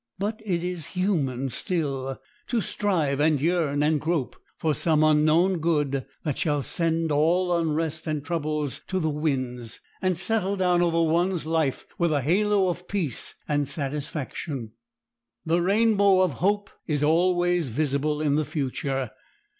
But it is human still to strive and yearn and grope for some unknown good that shall send all unrest and troubles to the winds and settle down over one's life with a halo of peace and satisfaction. The rainbow of hope is always visible in the future.